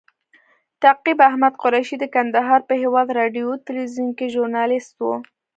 نقیب احمد قریشي د کندهار په هیواد راډیو تلویزیون کې ژورنالیست و.